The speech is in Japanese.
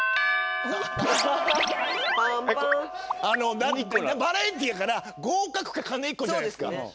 あのバラエティーやから合格か鐘１個じゃないですか。